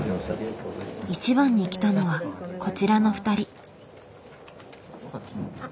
一番に来たのはこちらの２人。